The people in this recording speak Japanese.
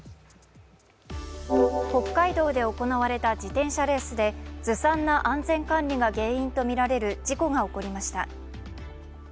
北海道で行われた自転車レースでずさんな安全管理が原因とみられる事故が起こりました。